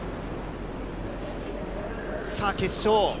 さあ、決勝。